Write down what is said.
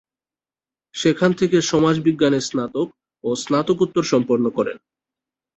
সেখান থেকে সমাজবিজ্ঞানে স্নাতক ও স্নাতকোত্তর সম্পন্ন করেন।